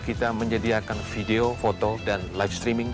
kita menyediakan video foto dan live streaming